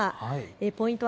ポイント